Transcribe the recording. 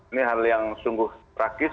ini hal yang sungguh tragis